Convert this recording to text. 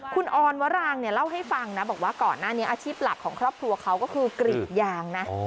คุณออนวรางเนี่ยเล่าให้ฟังนะบอกว่าก่อนหน้านี้อาชีพหลักของครอบครัวเขาก็คือกรีดยางนะ